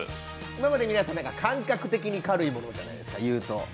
今まで皆さん、感覚的に軽いものじゃないですか。